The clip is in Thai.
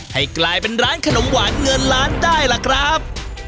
ให้กลายเป็นร้านขนมหวานเงินล้านได้ล่ะครับ